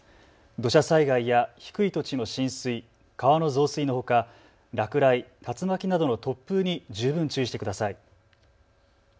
土砂災害や低い土地の浸水、川の増水のほか、落雷、竜巻などの突風に十分注意してください。